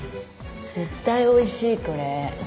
絶対おいしいこれ。